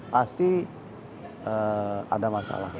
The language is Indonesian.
pasti ada masalah